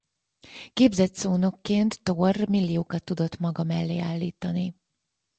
Képzett szónokként Thor milliókat tudott maga mellé állítani.